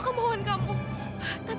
kamu akan turutin semua